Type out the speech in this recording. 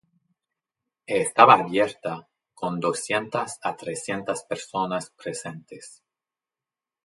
Estaba abierta, con doscientas a trescientas personas presentes.